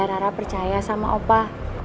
rara percaya sama opa